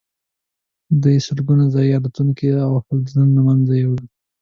دوی سلګونه ځايي الوتونکي او حلزون له منځه یوړل.